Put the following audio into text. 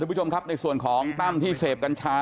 ผู้ชมครับในส่วนของตั้มที่เสพกัญชา